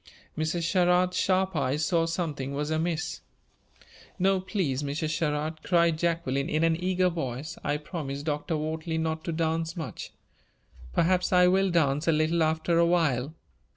Mrs. Sherrard's sharp eyes saw something was amiss. "No, please, Mrs. Sherrard," cried Jacqueline, in an eager voice. "I promised Dr. Wortley not to dance much; perhaps I will dance a little after a while."